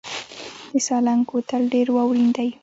د سالنګ کوتل ډیر واورین دی